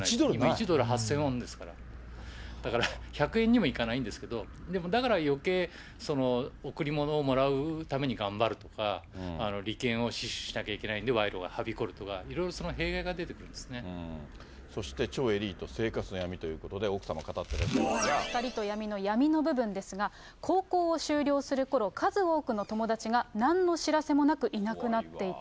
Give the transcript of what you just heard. １ドル８０００ウォンですから、だから１００円にもいかないんですけど、でもだからよけい、贈り物をもらうために頑張るとか、利権を死守しなきゃいけないんで、賄賂がはびこるとか、いろいろそそして、超エリート、生活の闇ということで、光と闇の闇の部分ですが、高校を修了するころ、数多くの友達がなんの知らせもなく、いなくなっていた。